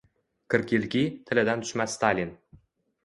Qirq yilki, tilidan tushmas Stalin…